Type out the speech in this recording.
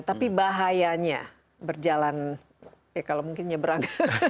tapi bahayanya berjalan ya kalau mungkin nyebrang